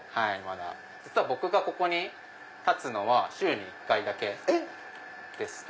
僕がここに立つのは週に１回だけでして。